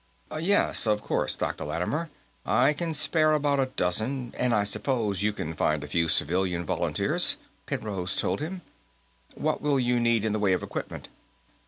"Yes, of course, Dr. Lattimer. I can spare about a dozen, and I suppose you can find a few civilian volunteers," Penrose told him. "What will you need in the way of equipment?"